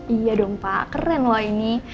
iya dong pak keren loh ini